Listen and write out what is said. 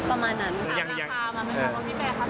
ประมาณนั้นเองกับมีแตรูคะเหรอแรง